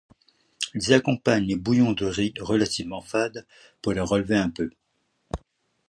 Ils accompagnent les bouillons de riz, relativement fades, pour les relever un peu.